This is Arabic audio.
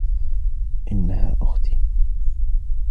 إنها أختي.